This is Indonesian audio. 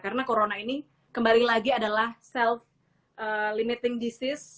karena corona ini kembali lagi adalah self limiting disease